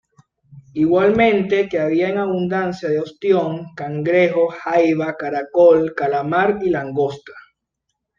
Igualmente que había en abundancia de ostión, cangrejo, jaiba, caracol, calamar y langosta.